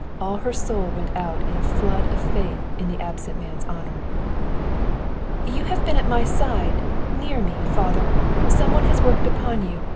All her soul went out in a flood of faith in the absent man's honor. "You have been at my side, near me, father. Some one has worked upon you.